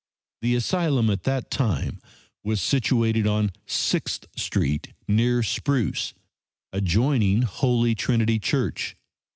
The Asylum at that time was situated on Sixth street, near Spruce, adjoining Holy Trinity Church.